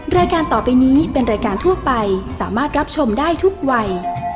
รายการต่อไปนี้เป็นรายการทั่วไปสามารถรับชมได้ทุกวัย